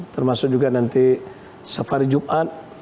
termasuk juga nanti safari jumat